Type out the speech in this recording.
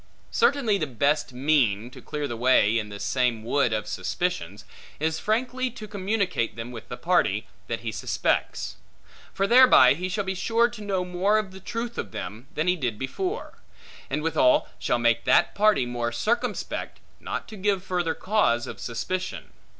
Certainly, the best mean, to clear the way in this same wood of suspicions, is frankly to communicate them with the party, that he suspects; for thereby he shall be sure to know more of the truth of them, than he did before; and withal shall make that party more circumspect, not to give further cause of suspicion.